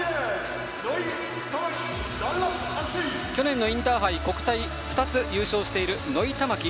去年のインターハイ、国体２つ優勝している野井珠稀。